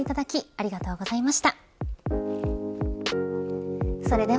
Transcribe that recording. ありがとうございます！